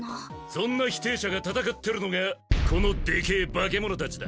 そんな否定者が戦ってるのがこのでけぇ化け物たちだ。